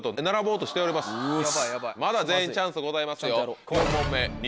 まだ全員チャンスございますよ。